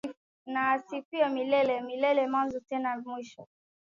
Na asifiwe milele na milele mwanzo tena mwisho.